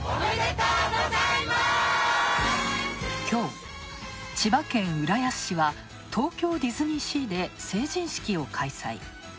きょう、千葉県浦安市は東京ディズニーシーで、成人式を開催。